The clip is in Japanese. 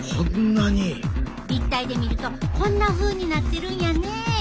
立体で見るとこんなふうになってるんやね。